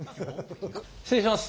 失礼します。